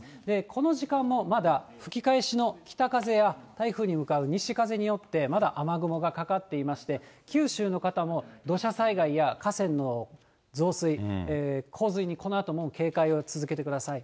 この時間もまだ吹き返しの北風や台風に向かう西風によって、まだ雨雲がかかっていまして、九州の方も土砂災害や河川の増水、洪水にこのあとも警戒を続けてください。